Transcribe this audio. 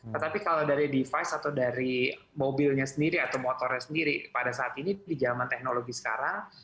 tetapi kalau dari device atau dari mobilnya sendiri atau motornya sendiri pada saat ini di jaman teknologi sekarang